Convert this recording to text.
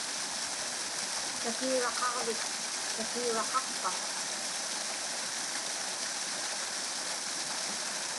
Kakiuraqaġvik kakiuraqaqpa?